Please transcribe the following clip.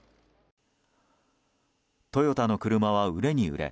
トヨタの車は売れに売れ